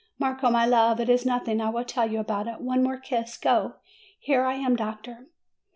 Marco, my love, it is nothing. I will tell you about it. One more kiss. Go! Here I am, doctor."